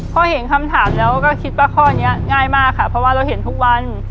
พอเห็นคำถามแล้วก็คิดว่าข้อนี้ง่ายมากค่ะเพราะว่าเราเห็นทุกวัน